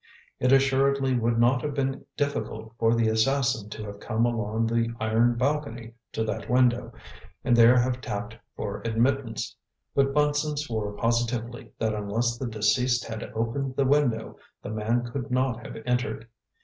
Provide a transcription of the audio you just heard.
It assuredly would not have been difficult for the assassin to have come along the iron balcony to that window and there have tapped for admittance. But Bunson swore positively that unless the deceased had opened the window, the man could not have entered.